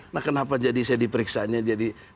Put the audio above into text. nah kenapa jadi saya diperiksanya jadi